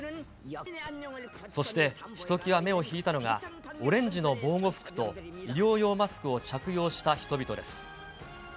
そしてひときわ目を引いたのが、オレンジの防護服と医療用マスクを着用した人々です。